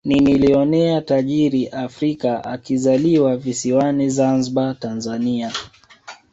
Ni milionea tajika Afrika akizaliwa visiwani Zanzibar Tanzania